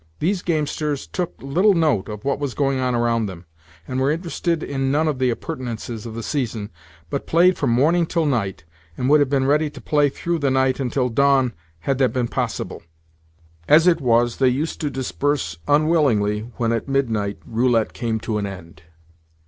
These gamesters took little note of what was going on around them, and were interested in none of the appurtenances of the season, but played from morning till night, and would have been ready to play through the night until dawn had that been possible. As it was, they used to disperse unwillingly when, at midnight, roulette came to an end.